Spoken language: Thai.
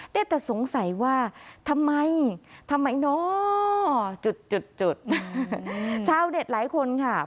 ได้แต่สงสัยว่าทำไมทำไมเนาะจุดจุดชาวเน็ตหลายคนค่ะ